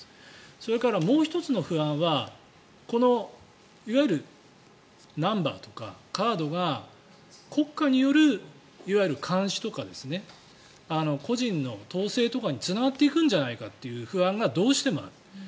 それから、もう１つの不安はこのいわゆるナンバーとかカードが国家による、いわゆる監視とか個人の統制とかにつながっていくんじゃないかという不安がどうしてもある。